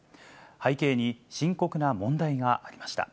背景に深刻な問題がありました。